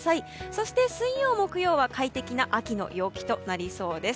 そして水曜日、木曜日は快適な秋の陽気となりそうです。